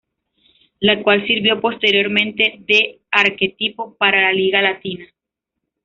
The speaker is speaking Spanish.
La cual sirvió posteriormente de arquetipo para la Liga Latina.